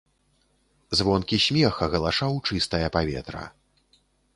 Звонкі смех агалашаў чыстае паветра.